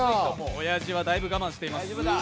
おやじは、だいぶ我慢してます。